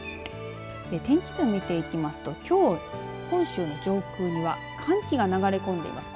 天気図を見ていきますときょう、本州の上空には寒気が流れ込んでいます。